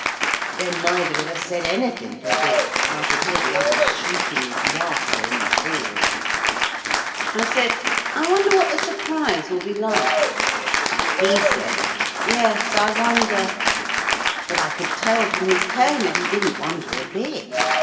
Then neither of us said anything for a bit and I could hear the others shrieking with laughter in the hall. I said, 'I wonder what the surprise will be like.' He said, 'Yes, I wonder'; but I could tell from his tone that he did not wonder a bit.